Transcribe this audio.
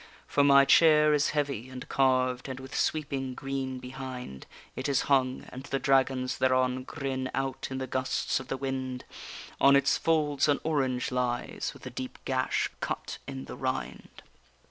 For my chair is heavy and carved, and with sweeping green behind It is hung, and the dragons thereon grin out in the gusts of the wind; On its folds an orange lies, with a deep gash cut in the rind.